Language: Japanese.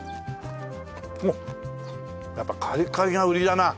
おっやっぱりカリカリが売りだな。